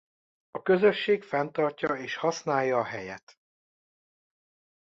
A közösség fenntartja és használja a helyet.